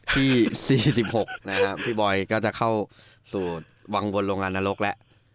ที่๔๖นะครับพี่บอยก็จะเข้าสู่วังบนโรงงานนรกแล้ว